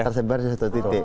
tersebar di satu titik